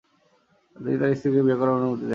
তিনি তার স্ত্রীকে বিয়ে করার অনুমতি দেন।